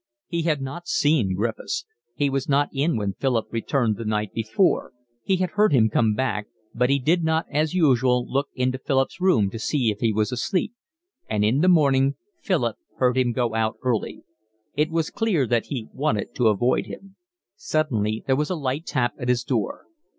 He had not seen Griffiths. He was not in when Philip returned the night before; he heard him come back, but he did not as usual look into Philip's room to see if he was asleep; and in the morning Philip heard him go out early. It was clear that he wanted to avoid him. Suddenly there was a light tap at his door.